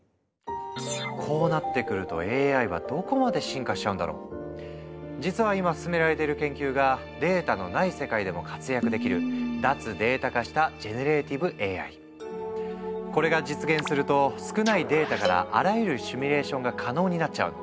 こうなってくると実は今進められてる研究がデータのない世界でも活躍できるこれが実現すると少ないデータからあらゆるシミュレーションが可能になっちゃうの。